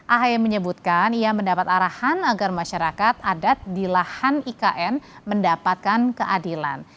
ahy menyebutkan ia mendapat arahan agar masyarakat adat di lahan ikn mendapatkan keadilan